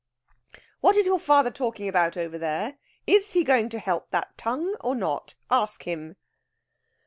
"What is your father talking about over there? Is he going to help that tongue or not? Ask him."